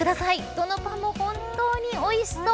どのパンも本当においしそう。